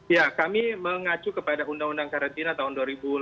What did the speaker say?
ya kami mengacu kepada undang undang karantina tahun dua ribu lima belas